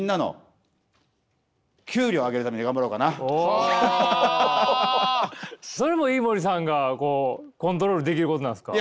もうそれも飯森さんがコントロールできることなんですか？